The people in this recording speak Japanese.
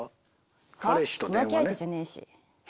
浮気相手じゃねえし。